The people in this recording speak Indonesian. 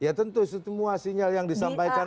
ya tentu semua sinyal yang disampaikan